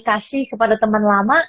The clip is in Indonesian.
kasih kepada temen lama